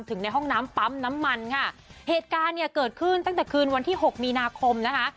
ในห้องน้ำปั๊มน้ำมันค่ะเหตุการณ์เนี่ยเกิดขึ้นตั้งแต่คืนวันที่หกมีนาคมนะคะ